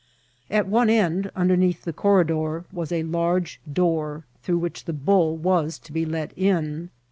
At one end, nnderneath the corridor, was a large door, through which the bull * was to be let in.